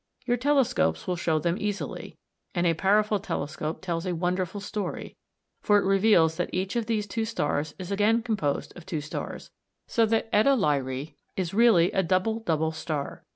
Your telescopes will show them easily, and a powerful telescope tells a wonderful story, for it reveals that each of these two stars is again composed of two stars, so that [Greek: e] Lyræ (Fig. 62) is really a double double star.